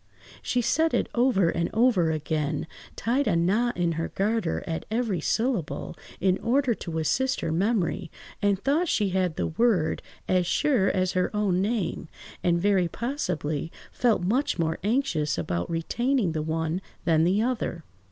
She said it over and over again, tied a knot in her garter at every syllable, in order to assist her memory, and thought she had the word as sure as her own name, and very possibly felt much more anxious about retaining the one than the other.